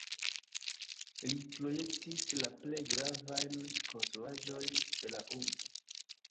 Li projektis la plej gravajn konstruaĵojn de la urbo.